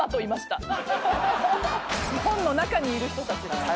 本の中にいる人たちです。